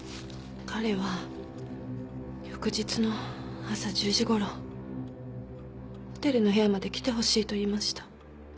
彼は翌日の朝１０時ごろホテルの部屋まで来てほしいと言いました。